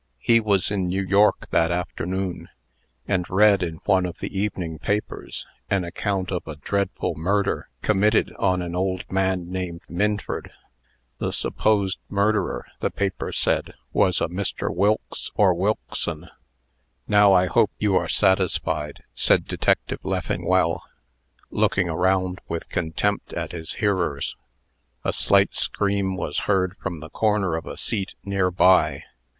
He was in New York that afternoon, and read, in one of the evening papers, an account of a dreadful murder committed on an old man named Minford. The supposed murderer, the paper said, was a Mr. Wilkes or Wilkson. "Now I hope you are satisfied," said Detective Leffingwell, looking around with contempt at his hearers. A slight scream was heard from the corner of a seat near by.